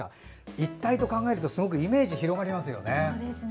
一体と考えるとすごくイメージが広がりますね。